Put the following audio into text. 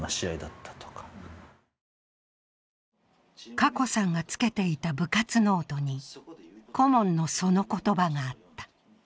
華子さんがつけていた部活ノートに、顧問のその言葉があった。